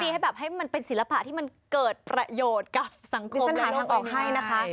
ให้แบบให้มันเป็นศิลปะที่มันเกิดประโยชน์กับสังคมหาทางออกให้นะคะ